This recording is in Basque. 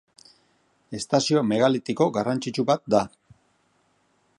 Estazio megalitiko garrantzitsu bat da.